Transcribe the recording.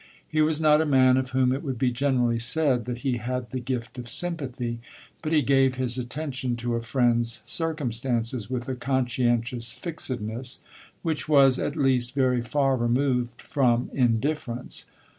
He was not a man of whom it would be generally said that he had the gift of sympathy; but he gave his attention to a friend's circumstances with a conscientious fixedness which was at least very far removed from indifference.